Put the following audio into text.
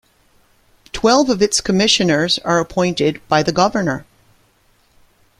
Twelve of its commissioners are appointed by the governor.